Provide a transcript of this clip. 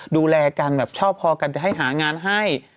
ดูแลกันแบบชอบพอกันจะให้หางานให้